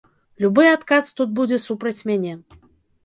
Любы адказ тут будзе супраць мяне.